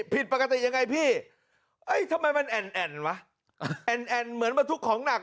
ผิดปกติยังไงพี่ทำไมมันแอ่นวะแอ่นเหมือนว่าทุกของหนัก